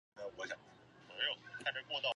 刘麟是健力宝青年队的成员。